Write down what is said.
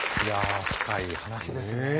いや深い話ですね。